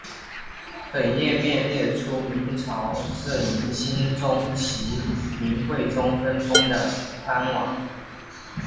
本页面列出明朝自明兴宗及明惠宗分封的藩王。